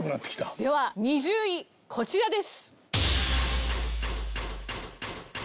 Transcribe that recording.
では２０位こちらです。